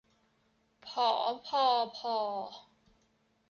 ผอ พอ ภอ